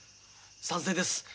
賛成です。